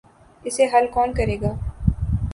اسے حل کون کرے گا؟